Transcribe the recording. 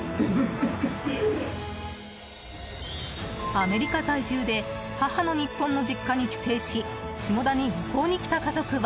アメリカ在住で母の日本の実家に帰省し下田に旅行に来た家族は。